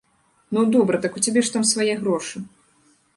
Ну, добра, так у цябе ж там свае грошы.